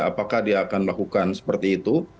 apakah dia akan melakukan seperti itu